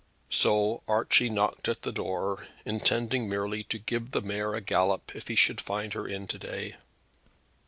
So Archie knocked at the door, intending merely to give the mare a gallop if he should find her in to day.